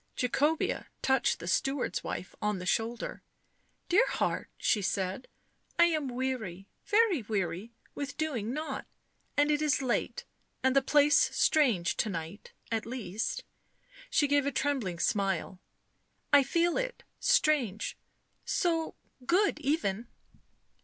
Jacobea touched the steward's wife on the shoulder. '' Dear heart," she said, " I am weary — very weary with doing nought. And it is late — and the place strange— to night — at least "— she gave a trembling smile —" I feel it — strange — so — good even."